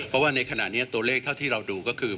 เพราะว่าในขณะนี้ตัวเลขเท่าที่เราดูก็คือ